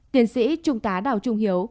tiến sĩ trung tá đào trung hiếu